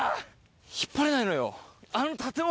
引っ張れないのよ。